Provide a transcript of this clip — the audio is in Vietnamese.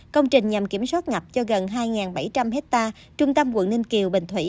công trình nhằm kiểm soát ngập cho gần hai bảy trăm linh hectare trung tâm quận ninh kiều bình thủy